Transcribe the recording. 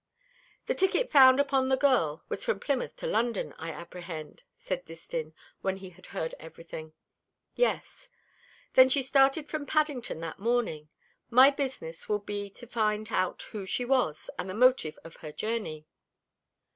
"The ticket found upon the girl was from London to Plymouth, I apprehend," said Distin, when he had heard everything. "Yes." "Then she started from Paddington that morning. My business will be to find out who she was, and the motive of her journey."